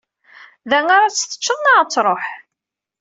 Da ara tt-teččeḍ neɣ ad tṛuḥ?